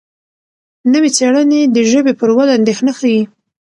نوې څېړنې د ژبې پر وده اندېښنه ښيي.